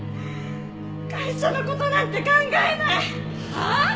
会社の事なんて考えない！はあ！？